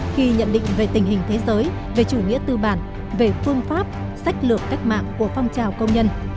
khi nhận định về tình hình thế giới về chủ nghĩa tư bản về phương pháp sách lược cách mạng của phong trào công nhân